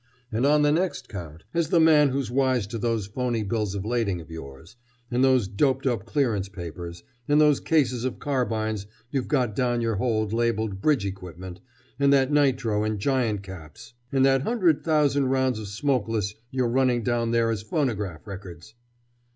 And on the next count, as the man who's wise to those phony bills of lading of yours, and those doped up clearance papers, and those cases of carbines you've got down your hold labeled bridge equipment, and that nitro and giant caps, and that hundred thousand rounds of smokeless you're running down there as phonograph records!"